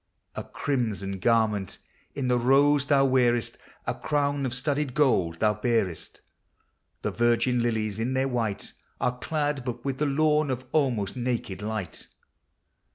A crimson garment in the rose thou wear'st; A crown of studded gold thou bear'st; The virgin lilies, in their white, Are clad but with the lawn of almost naked light. LIGHT: DAY: NIGHT.